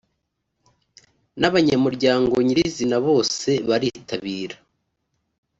n abanyamuryango nyirizina bose baritabira